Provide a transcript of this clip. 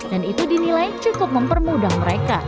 dan itu dinilai cukup mempermudah mereka